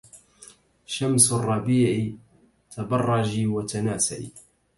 شمس الربيعِ تبرجي وتناسي